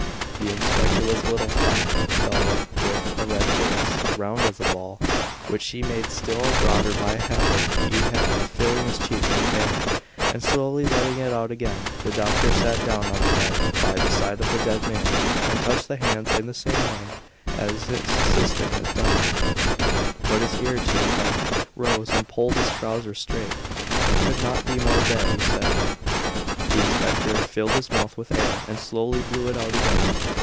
The inspector was a little fat fellow, with a red face, round as a ball, which he made still broader by a habit he had of filling his cheeks with air, and slowly letting it out again. The doctor sat down on the bed by the side of the dead man, and touched the hands in the same way as his assistant had done, put his ear to the heart, rose, and pulled his trousers straight. "Could not be more dead," he said. The inspector filled his mouth with air and slowly blew it out again.